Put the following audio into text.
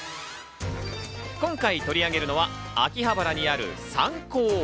今回取り上げるのは、秋葉原にあるサンコー。